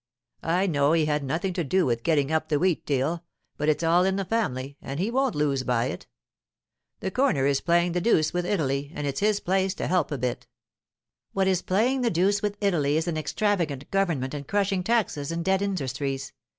I know he had nothing to do with getting up the wheat deal; but it's all in the family, and he won't lose by it. The corner is playing the deuce with Italy, and it's his place to help a bit.' 'What is playing the deuce with Italy is an extravagant government and crushing taxes and dead industries.